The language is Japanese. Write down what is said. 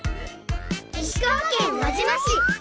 石川県輪島市。